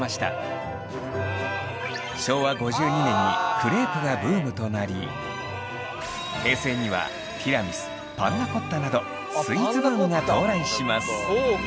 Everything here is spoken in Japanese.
昭和５２年にクレープがブームとなり平成にはティラミスパンナコッタなどスイーツブームが到来します。